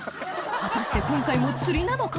果たして今回も釣りなのか？